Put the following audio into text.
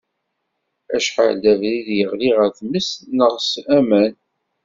Acḥal d abrid i yeɣli ɣer tmes neɣ s aman.